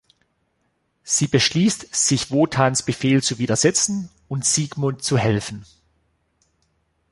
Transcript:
Sie beschließt, sich Wotans Befehl zu widersetzen und Siegmund zu helfen.